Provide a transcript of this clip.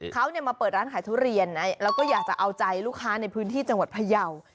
เขามาเปิดร้านขายทุเรียนแล้วก็อยากจะเอาใจลูกค้าในพื้นที่จังหวัดพยาว